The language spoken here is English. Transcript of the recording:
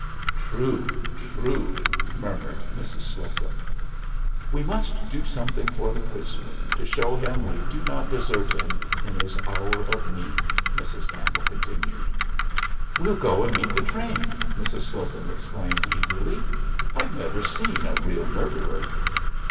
"True, true!" murmured Mrs. Slocum. "We must do something for the prisoner, to show him we do not desert him in his hour of need," Mrs. Campbell continued. "We'll go and meet the train!" Mrs. Slocum exclaimed, eagerly. "I've never seen a real murderer."